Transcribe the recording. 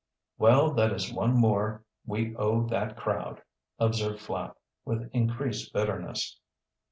"Well, that is one more we owe that crowd," observed Flapp with increased bitterness.